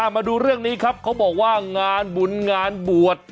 มาดูเรื่องนี้ครับเขาบอกว่างานบุญงานบวช